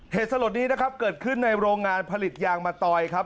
สลดนี้นะครับเกิดขึ้นในโรงงานผลิตยางมะตอยครับ